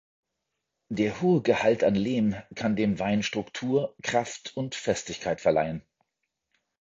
Der hohe Gehalt an Lehm kann dem Wein Struktur, Kraft und Festigkeit verleihen.